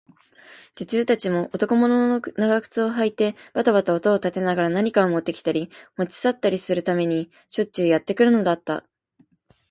女中たちも、男物の長靴をはいてばたばた音を立てながら、何かをもってきたり、もち去ったりするためにしょっちゅうやってくるのだった。